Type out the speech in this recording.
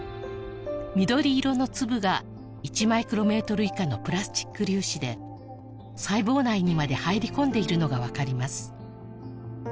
緑色の粒が１マイクロメートル以下のプラスチック粒子で細胞内にまで入り込んでいるのが分かります